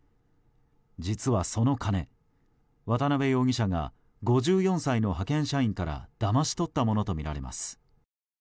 実は、その金、渡邊容疑者が５４歳の派遣社員からだまし取ったものとみられます。